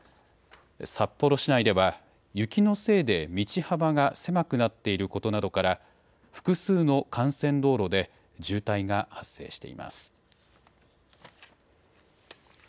札幌市内では雪のせいで道幅が狭くなっていることなどから複数の幹線道路で渋滞が発生しています。